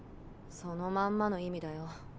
そのまんまの意味だよ。